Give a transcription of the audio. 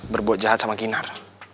berbuat jahat sama kinar